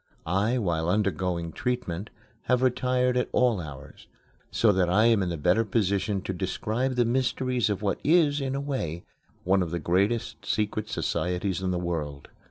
I, while undergoing treatment, have retired at all hours, so that I am in the better position to describe the mysteries of what is, in a way, one of the greatest secret societies in the world.